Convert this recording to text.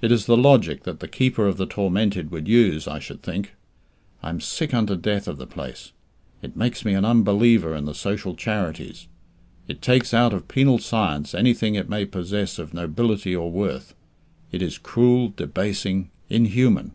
It is the logic that the Keeper of the Tormented would use, I should think. I am sick unto death of the place. It makes me an unbeliever in the social charities. It takes out of penal science anything it may possess of nobility or worth. It is cruel, debasing, inhuman.